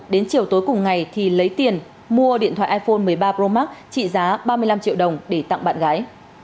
đến chiều tối cùng ngày thì lấy tiền mua điện thoại iphone một mươi ba pro max trị giá ba mươi năm triệu đồng để tặng bạn gái